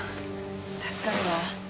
助かるわ。